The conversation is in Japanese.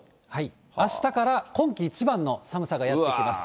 あしたから、今季一番の寒さがやって来ます。